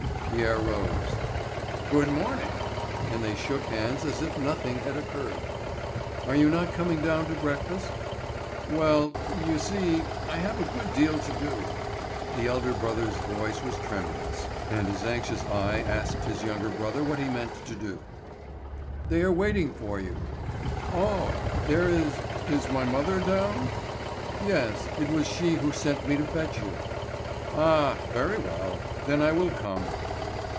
Pierre rose. "Good morning!" and they shook hands as if nothing had occurred. "Are you not coming down to breakfast?" "Well—you see—I have a good deal to do." The elder brother's voice was tremulous, and his anxious eye asked his younger brother what he meant to do. "They are waiting for you." "Oh! There is—is my mother down?" "Yes, it was she who sent me to fetch you." "Ah, very well; then I will come."